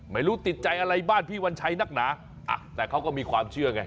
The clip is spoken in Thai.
ไม่รู้ติดใจอะไรบ้านพี่วันชัยนักหนาอ่ะแต่เขาก็มีความเชื่อไง